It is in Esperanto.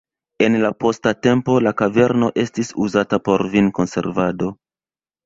En la posta tempo la kaverno estis uzata por vin-konservado.